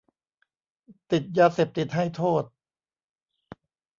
ติดยาเสพติดให้โทษ